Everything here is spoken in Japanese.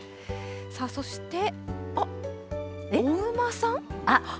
そして、あっ、お馬さん？